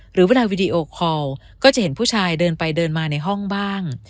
หรือเวลาวีดีโอคอลก็จะเห็นผู้ชายเดินไปเดินมาในห้องบ้าง